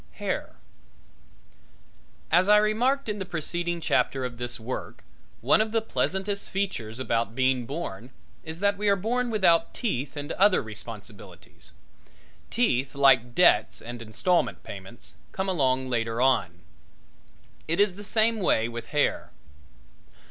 HAIR As I remarked in the preceding chapter of this work, one of the pleasantest features about being born is that we are born without teeth and other responsibilities. Teeth, like debts and installment payments, come along later on. It is the same way with hair.